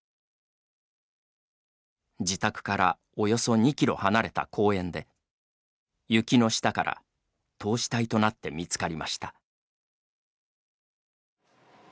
自宅からおよそ２キロ離れた公園で雪の下から凍死体となって見つかりました。